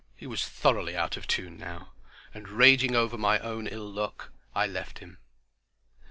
He was thoroughly out of tune now, and raging over my own ill luck, I left him.